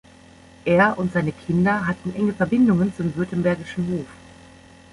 Er und seine Kinder hatten enge Verbindungen zum württembergischen Hof.